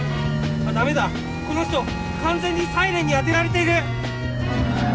ダメだこの人完全にサイレンにあてられている！